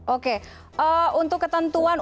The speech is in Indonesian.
oke untuk ketentuan